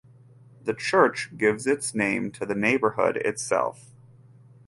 The church gives its name to the neighborhood itself.